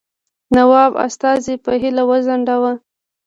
نواب استازی په هیله وځنډاوه.